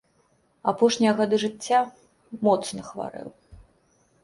Апошнія гады жыцця моцна хварэў.